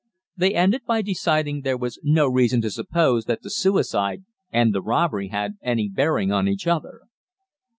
They ended by deciding there was no reason to suppose that the suicide and the robbery had any bearing on each other.